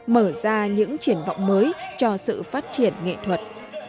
mở ra những triển vọng mới cho sự phát triển nghệ thuật